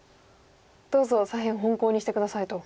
「どうぞ左辺本コウにして下さい」と。